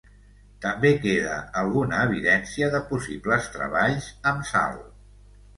També queda alguna evidència de possibles treballs amb sal.